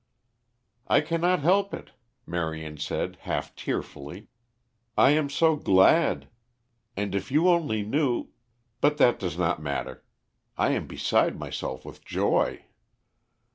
"I cannot help it," Marion said half tearfully. "I am so glad. And if you only knew but that does not matter. I am beside myself with joy."